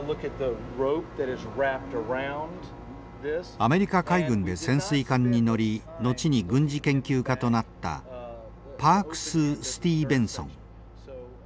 アメリカ海軍で潜水艦に乗り後に軍事研究家となったパークス・スティーベンソン。